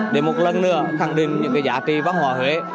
để một lần nữa khẳng định những giá trị văn hóa huế